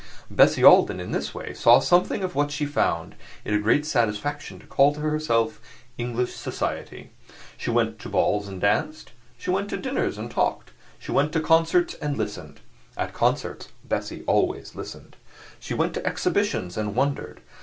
Bessie Alden, in this way, saw something of what she found it a great satisfaction to call to herself English society. She went to balls and danced, she went to dinners and talked, she went to concerts and listened (at concerts Bessie always listened), she went to exhibitions and wondered.